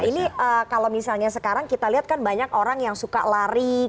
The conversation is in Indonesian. ini kalau misalnya sekarang kita lihat kan banyak orang yang suka lari jadi kita bisa berjalan ke tempat lain